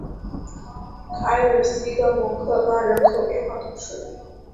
凯尔西的蒙克拉人口变化图示